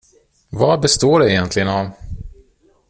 Vad består det egentligen av?